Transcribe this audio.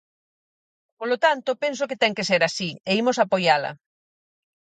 Polo tanto, penso que ten que ser así, e imos apoiala.